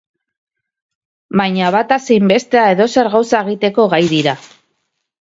Baina bata zein bestea edozer gauza egiteko gai dira.